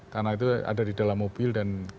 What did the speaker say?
karena itu ada di dalam mobil dan